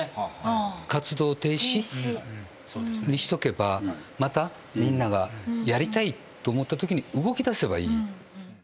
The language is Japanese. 活動停止にしとけば、またみんながやりたいと思ったときに動き出せばいい。